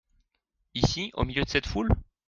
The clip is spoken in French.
Ici au milieu de cette foule ?